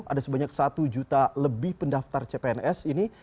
ada sebanyak satu juta lebih pendaftar cpns ini